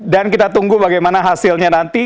dan kita tunggu bagaimana hasilnya nanti